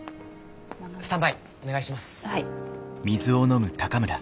スタンバイお願いします。